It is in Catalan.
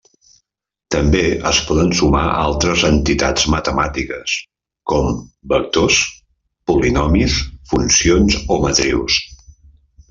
També es poden sumar altres entitats matemàtiques, com vectors, polinomis, funcions o matrius.